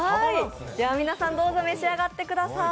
皆さんどうぞ召し上がってください。